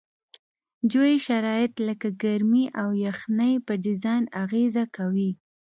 جوي شرایط لکه ګرمي او یخنۍ په ډیزاین اغیزه کوي